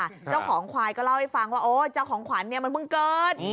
เจ้าของควายก็เล่าให้ฟังว่าโอ้เจ้าของขวัญเนี่ยมันเพิ่งเกิด